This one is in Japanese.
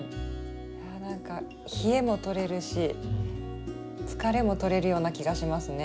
なんか冷えもとれるし疲れもとれるような気がしますね。